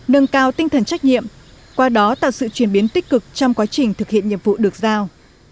nâng cao tinh thần trách nhiệm qua đó tạo sự chuyển biến tích cực trong quá trình thực hiện nhiệm vụ được giao